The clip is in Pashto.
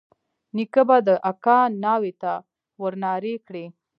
نيکه به د اکا ناوې ته ورنارې کړې.